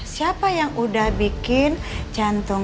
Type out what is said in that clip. siapa yang udah bikin